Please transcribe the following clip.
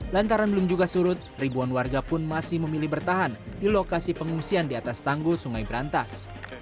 lantaran belum juga surut ribuan warga pun masih memilih bertahan di lokasi pengungsian di atas tanggul sungai berantas